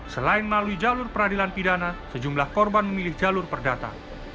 selain melalui jalur peradilan pidana sejumlah korban memilih jalur perdata